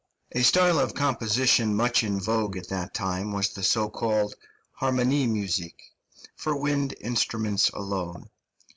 A style of composition much in vogue at that time was the so called "harmoniemusik," for wind instruments alone.